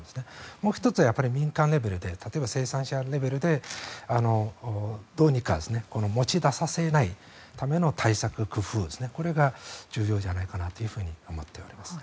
もう１つは民間レベルで例えば生産者レベルでどうにか持ち出させないための対策、工夫これが重要じゃないかなと思っております。